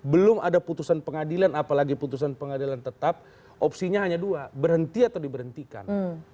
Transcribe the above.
belum ada putusan pengadilan apalagi putusan pengadilan tetap opsinya hanya dua berhenti atau diberhentikan